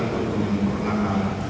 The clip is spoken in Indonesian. kebun yang pernah